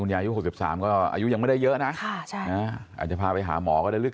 ไม่อยากให้แม่เป็นอะไรไปแล้วนอนร้องไห้แท่ทุกคืน